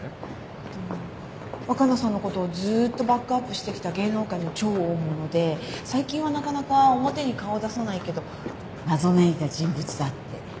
えっと若菜さんのことをずっとバックアップしてきた芸能界の超大物で最近はなかなか表に顔を出さないけど謎めいた人物だって。